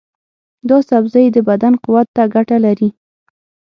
دا سبزی د بدن قوت ته ګټه لري.